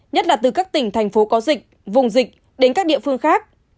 nhất là từ các tỉnh thành phố có dịch vùng dịch đến các địa phương khác